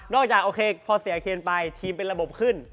นอกจากพอเสียเคลียนไปทีมเป็นระบบขึ้น